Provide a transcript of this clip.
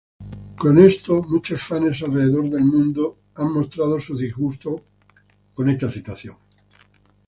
Con esto muchos fanes alrededor del mundo han mostrado su disgusto con esta situación.